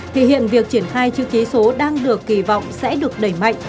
thì hiện việc triển khai chữ ký số đang được kỳ vọng sẽ được đẩy mạnh